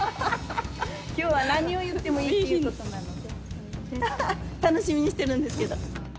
きょうは何を言ってもいいということなので、楽しみにしてるんですけど。